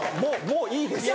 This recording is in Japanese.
・もういいです。